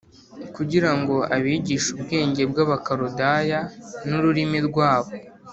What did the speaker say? kugira ngo abigishe ubwenge bw’Abakaludaya n’ururimi rwabo